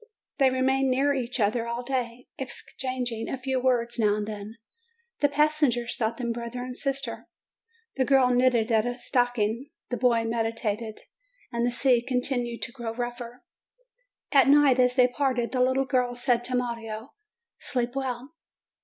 They remained near each other all day, exchanging a few words now and then. The passengers thought them brother and sister. The girl knitted at a stocking, the boy medi tated, the sea continued to grow rougher. At night, as they parted, the girl said to Mario, "Sleep well."